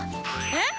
えっ⁉